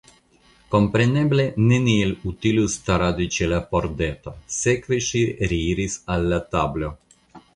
Kompreneble neniel utilus staradi ĉe la pordeto, sekve ŝi reiris al la tablo.